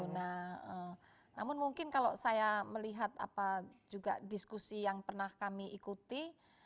nah namun mungkin kalau saya melihat apa juga diskusi yang pernah kami ikuti